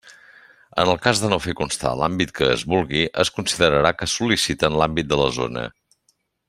En el cas de no fer constar l'àmbit que es vulgui, es considerarà que sol·liciten l'àmbit de la zona.